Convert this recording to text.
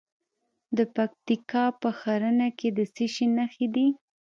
د پکتیکا په ښرنه کې د څه شي نښې دي؟